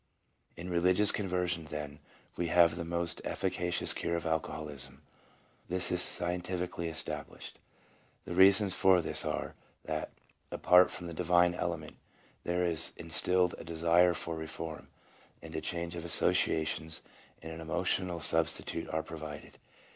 In religious conversion, then, we have the most efficacious cure of alcoholism. This is scientifically established. The reasons for this are that, apart from the divine element, there is instilled a desire for reform, and a change of associations and an emo tional substitute are provided.